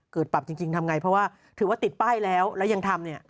ปรับจริงทำไงเพราะว่าถือว่าติดป้ายแล้วแล้วยังทำเนี่ย